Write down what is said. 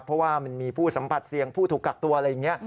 เพราะว่ามันมีผู้สัมผัสเสี่ยงผู้ถูกกักตัวอะไรอย่างนี้